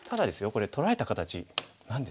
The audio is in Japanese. これ取られた形何ですかね